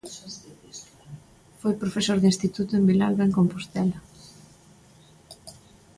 Foi profesor de instituto en Vilalba e en Compostela.